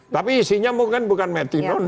tapi isinya bukan metinon